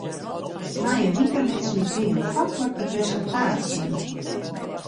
Nei in wike liet se my triomfantlik it resultaat sjen.